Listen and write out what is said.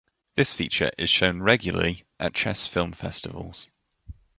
This feature is shown regularly at chess film festivals.